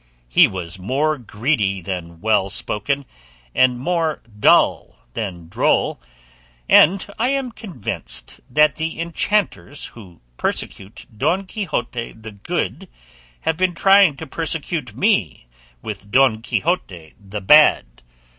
He was more greedy than well spoken, and more dull than droll; and I am convinced that the enchanters who persecute Don Quixote the Good have been trying to persecute me with Don Quixote the Bad.